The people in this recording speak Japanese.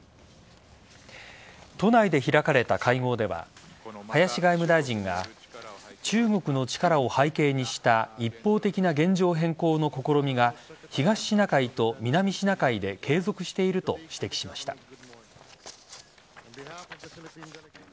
都内で開かれた会合では林外務大臣が中国の力を背景にした一方的な現状変更の試みが東シナ海と南シナ海で継続していると指摘しました。